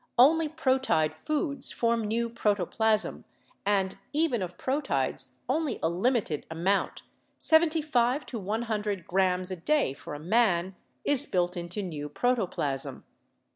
Only pro teid foods form new protoplasm and even of proteids only a limited amount, seventy five to one hundred grams a day for a man, is built into new protoplasm.